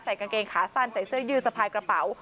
กางเกงขาสั้นใส่เสื้อยืดสะพายกระเป๋า